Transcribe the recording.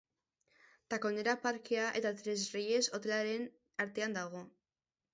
Takonera parkea eta Tres Reyes hotelaren artean dago.